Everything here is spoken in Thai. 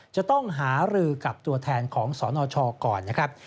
จะต้องหารือกับตัวแทนของสนชก่อนนะครับ